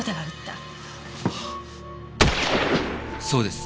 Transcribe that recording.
そうです。